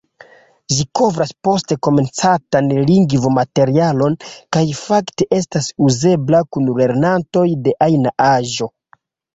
Ĝi kovras post-komencantan lingvo-materialon kaj fakte estas uzebla kun lernantoj de ajna aĝo.